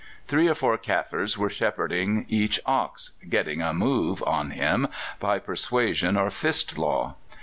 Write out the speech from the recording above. "Three or four Kaffirs were shepherding each ox, 'getting a move' on him by persuasion or fist law.